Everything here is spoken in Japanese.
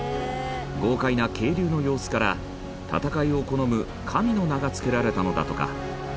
豪快な渓流の様子から戦いを好む神の名が付けられたのだとか。